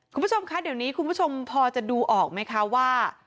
คุณผู้ชมคะเดี๋ยวนี้คุณผู้ชมพอจะดูออกไหมคะว่า